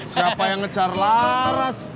siapa yang ngejar laras